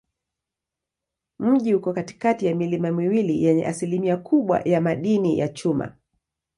Mji uko katikati ya milima miwili yenye asilimia kubwa ya madini ya chuma.